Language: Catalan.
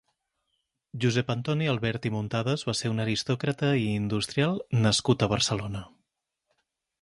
Josep Antoni Albert i Muntadas va ser un aristòcrata i industrial nascut a Barcelona.